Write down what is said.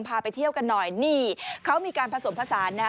พาไปเที่ยวกันหน่อยนี่เขามีการผสมผสานนะฮะ